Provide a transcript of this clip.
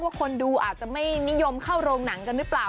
คนดูอาจจะไม่นิยมเข้าโรงหนังกันหรือเปล่า